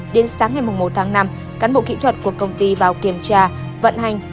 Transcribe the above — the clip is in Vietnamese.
đến sáng ngày một tháng năm cán bộ kỹ thuật của công ty vào kiểm tra vận hành